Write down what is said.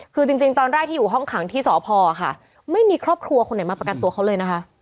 คือจริงตอนแรกที่อยู่ห้องขังที่สพค่ะไม่มีครอบครัวคนไหนมาประกันตัวเขาเลยนะคะ